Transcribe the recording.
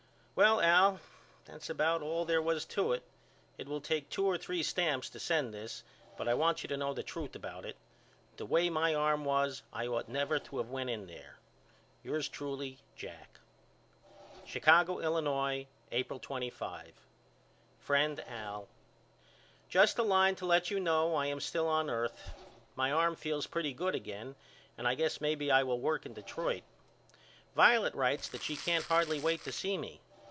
Well Al that's about all there was to it. It will take two or three stamps to send this but I want you to know the truth about it. The way my arm was I ought never to of went in there. Yours truly, JACK. Chicago, Illinois, April 25. FRIEND AL: Just a line to let you know I am still on earth. My arm feels pretty good again and I guess maybe I will work in Detroit. Violet writes that she can't hardly wait to see me.